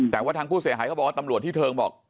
แต่ว่าทางผู้เสียหายเขาบอกว่าตำรวจที่เทิงบอก